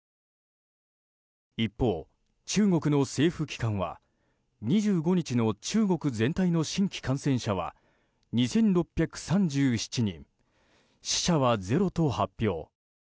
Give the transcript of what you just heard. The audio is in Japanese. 一方、中国の政府機関は２５日の中国全体の新規感染者は２６３７人死者はゼロと発表。